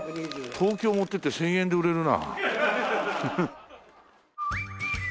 東京持っていって１０００円で売れるな。